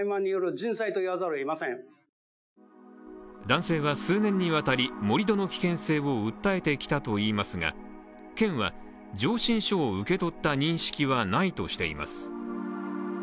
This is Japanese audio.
男性は数年にわたり盛り土の危険性を訴えてきたといいますが県は上申書を受け取った認識はないとしています。